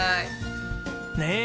ねえ。